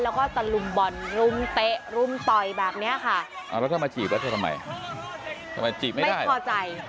แล้วก็ตะลุมบ่นลุ้มเตะลุ้มต่อยแบบนี้ค่ะแล้วถ้ามาจีบก็ทำไมจีบไม่ได้ไม่พอใจ